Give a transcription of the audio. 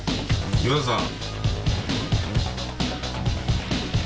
今田さん。